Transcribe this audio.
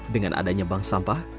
dengan adanya bank sampah